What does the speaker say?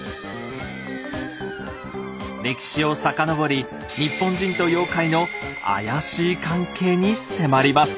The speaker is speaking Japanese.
歴史を遡り日本人と妖怪の怪しい関係に迫ります。